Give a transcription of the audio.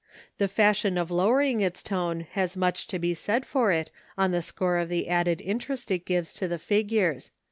The fashion of lowering its tone has much to be said for it on the score of the added interest it gives to the figures.